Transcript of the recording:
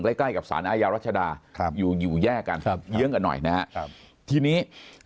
ไล่ใกล้กับศาลอาญารัฐชาดาอยู่แยกกันเยี้ยงกันหน่อยนะทีนี้